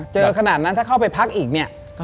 ขนาดนั้นถ้าเข้าไปพักอีกเนี่ย